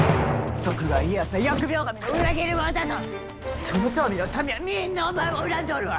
徳川家康は疫病神の裏切り者だと遠江の民はみんなお前を恨んでおるわ！